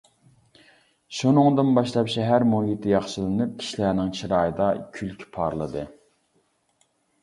شۇنىڭدىن باشلاپ شەھەر مۇھىتى ياخشىلىنىپ كىشىلەرنىڭ چىرايىدا كۈلكە پارلىدى.